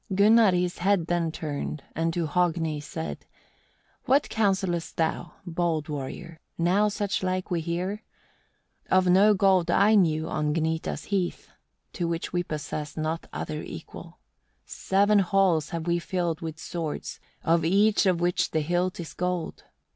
6. Gunnar his head then turned, and to Hogni said: "What counselest thou, bold warrior? now suchlike we hear? Of no gold I knew on Gnita's heath, to which we possess not other equal. 7. "Seven halls have we filled with swords, of each of which the hilt is gold.